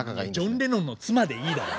ジョン・レノンの妻でいいだろ。